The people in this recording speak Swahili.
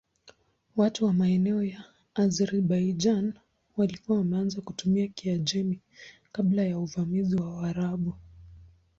Watu wa maeneo ya Azerbaijan walikuwa wameanza kutumia Kiajemi kabla ya uvamizi wa Waarabu.